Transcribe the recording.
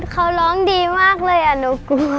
เขาร้องดีมากเลยอ่ะุกลัว